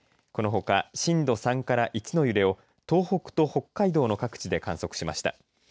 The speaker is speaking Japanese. このほか震度３から１の揺れを東北と北海道の各地で観測しました。